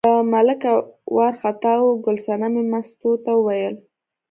له ملکه وار خطا و، ګل صنمې مستو ته وویل.